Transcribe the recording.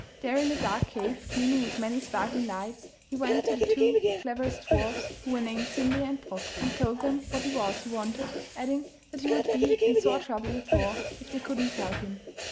There in a dark cave gleaming with many sparkling lights he went to the two cleverest dwarfs who were named Sindri and Brok, and told them what it was he wanted, adding that he would be in sore trouble with Thor if they could not help him.